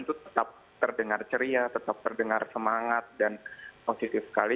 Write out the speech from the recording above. itu tetap terdengar ceria tetap terdengar semangat dan positif sekali